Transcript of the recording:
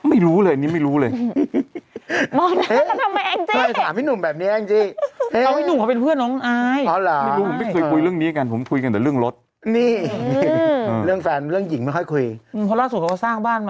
อะไรอุตสัจจิ้นในจอนอกจอ